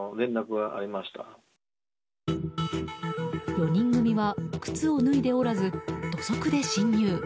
４人組は靴を脱いでおらず土足で侵入。